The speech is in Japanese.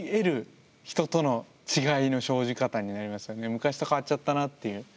昔と変わっちゃったなっていう。